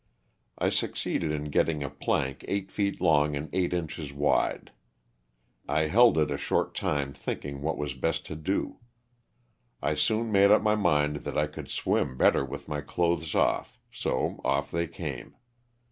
I succeeded in getting a plank eight feet long and eight inches wide. I held it a short time thinking what was best to do. I soon made up my mind that I could swim better with my clothes off, so off they came.